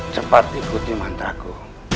cepat ikuti mantra ku